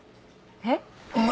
えっ？